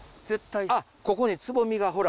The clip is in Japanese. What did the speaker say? あっここにつぼみがほら。